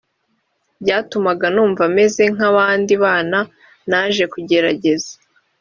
byatumaga numva meze nk abandi bana naje kugerageza